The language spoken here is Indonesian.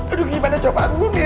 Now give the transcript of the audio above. aduh gimana jawabannya